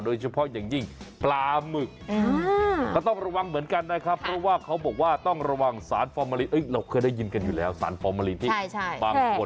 โดยเฉพาะอย่างยิ่งปลามึก